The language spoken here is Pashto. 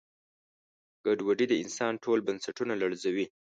ګډوډي د انسان ټول بنسټونه لړزوي.